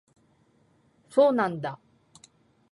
そうなんだ